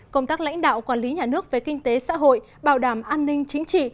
công tác lãnh đạo quản lý nhà nước về kinh tế xã hội bảo đảm an ninh chính trị